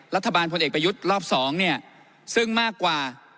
พลเอกประยุทธ์รอบ๒เนี่ยซึ่งมากกว่า